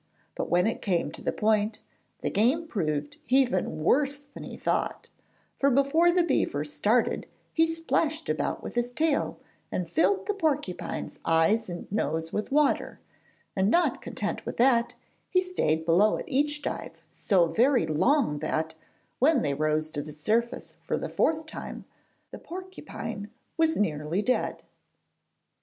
But when it came to the point, the game proved even worse than he thought, for before the beaver started he splashed about with his tail, and filled the porcupine's eyes and nose with water; and not content with that he stayed below at each dive so very long that, when they rose to the surface for the fourth time, the porcupine was nearly dead.